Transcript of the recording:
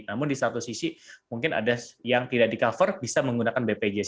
namun di satu sisi mungkin ada yang tidak di cover bisa menggunakan bpjs